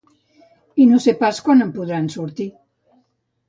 I no sé pas quan en podran sortir.